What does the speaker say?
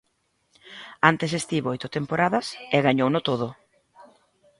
Antes estivo oito temporadas e gañouno todo.